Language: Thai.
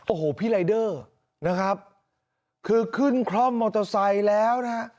โอ้โหพี่รายเดอร์นะครับคือขึ้นคล่อมมอเตอร์ไซค์แล้วนะฮะ